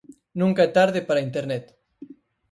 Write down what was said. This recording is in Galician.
Nunca é tarde para a Internet.